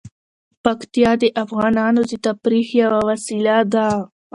پکتیا د افغانانو د تفریح یوه وسیله ده.